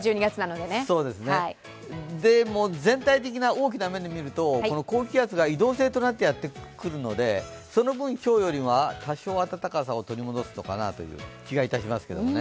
でも、全体的な大きな目で見るとこの高気圧が移動性となってやってくるのでその分今日よりは多少暖かさを取り戻すのかなという気がいたしますけどね。